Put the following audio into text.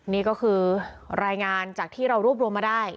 นี่ก็คือรายงานจากที่เรารวบรวมมาได้